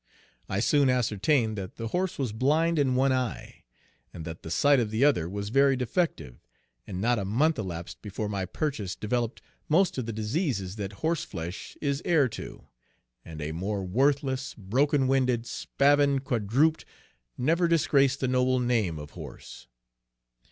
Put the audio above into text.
I soon ascertained that the horse was blind in one eye, and that the sight of the other was very defective; and not a month elapsed before my purchase developed most of the diseases that horse flesh is heir to, and a more worthless, broken winded, spavined quadruped never disgraced the noble name of horse.